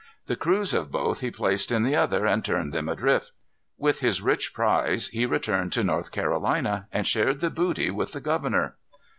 The crews of both he placed in the other, and turned them adrift. With his rich prize he returned to North Carolina, and shared the booty with the governor.